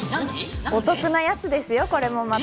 お得なやつですよ、これもまた。